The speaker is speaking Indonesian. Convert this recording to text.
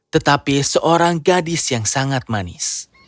tetapi seorang gadis yang sangat manis